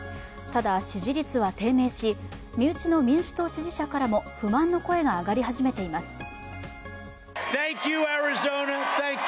ただ、支持率は低迷し身内の民主党支持者からも不満の声が上がり始めています。